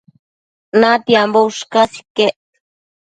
natiambo ushcas iquec